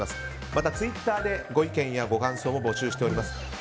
またツイッターでご意見ご感想を募集しております。